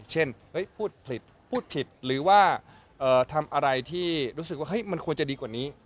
เช่นพูดผิดพูดผิดหรือว่าทำอะไรที่รู้สึกว่ามันควรจะดีกว่านี้